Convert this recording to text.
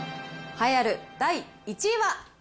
栄えある第１位は。